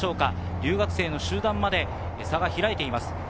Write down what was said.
留学生の集団まで差が開いています。